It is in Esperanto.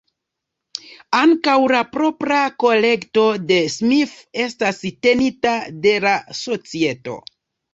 Ankaŭ la propra kolekto de Smith estas tenita de la Societo.